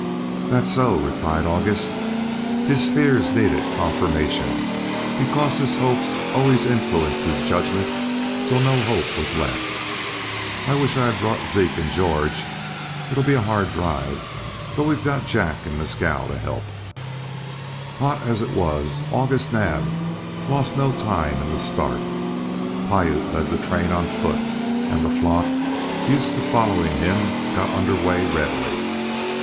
"That's so," replied August. His fears needed confirmation, because his hopes always influenced his judgment till no hope was left. "I wish I had brought Zeke and George. It'll be a hard drive, though we've got Jack and Mescal to help." Hot as it was August Naab lost no time in the start. Piute led the train on foot, and the flock, used to following him, got under way readily.